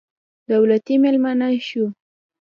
دولتي مېلمانه شوو.